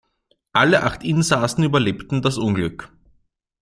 Alle acht Insassen überlebten das Unglück.